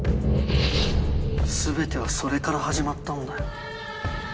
全てはそれから始まったんだよ。